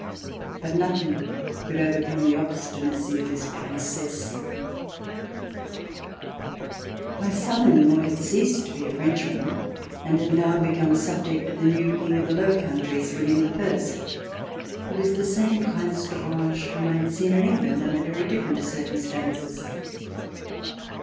But nothing could overcome the obstinacy of this Princesse. My son in law had ceased to be a Frenchman and had now become a subject of the new King of the Low Countries, William the First, who was the same Prince d'Orange whom I had seen in England under very different circumstances.